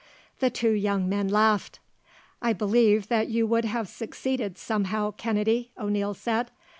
The two young men laughed. "I believe that you would have succeeded somehow, Kennedy," O'Neil said.